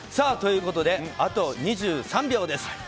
ということで、あと２３秒です。